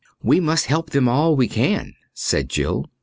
"We must help them all we can," said Jill.